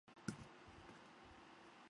分为古传散手。